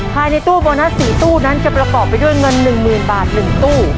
ภายในตู้โบนัสสี่ตู้นั้นจะประกอบไปด้วยเงินหนึ่งหมื่นบาทหนึ่งตู้